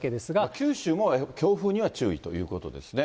九州も強風には注意ということですね。